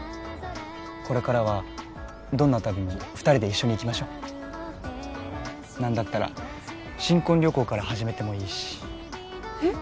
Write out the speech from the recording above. これからはどんな旅も２人で一緒に行きましょう何だったら新婚旅行から始めてもいいしえっ？